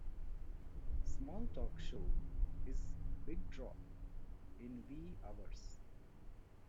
Small-talk Show is Big Draw in Wee Hours.